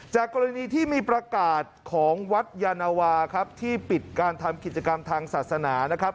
กรณีที่มีประกาศของวัดยานวาครับที่ปิดการทำกิจกรรมทางศาสนานะครับ